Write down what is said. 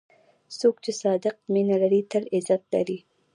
څوک چې صادق مینه لري، تل عزت لري.